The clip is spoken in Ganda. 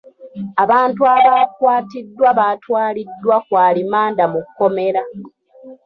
Abantu abaakwatiddwa baatwaliddwa ku alimanda mu kkomera.